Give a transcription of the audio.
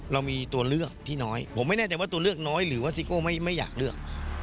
เรามีตัวเลือกที่น้อยผมไม่แน่ใจว่าตัวเลือกน้อยหรือว่าซิโก้ไม่อยากเลือก